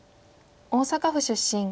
大阪府出身。